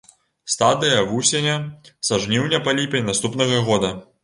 Стадыя вусеня са жніўня па ліпень наступнага года.